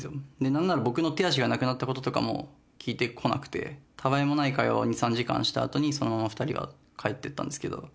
なんなら僕の手足がなくなったこととかも聞いてこなくて、たあいもない会話を２、３時間したあとに、そのまま２人は帰ってったんですけど。